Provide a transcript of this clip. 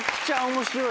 面白い。